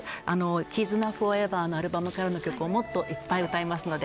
絆Ｆｏｒｅｖｅｒのアルバムからの曲ももっといっぱい歌いますので